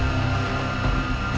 tempat apaan nih